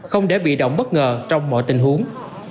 không để bị động bất ngờ trong mọi tình huống